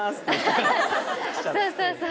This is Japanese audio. そうそうそう。